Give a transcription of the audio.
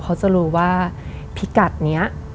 เขาจะรู้ว่าพิกัดนี้